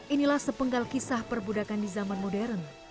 inilah sepenggal kisah perbudakan di zaman modern